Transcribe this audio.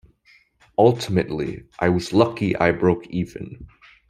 Ultimately, I was lucky I broke even.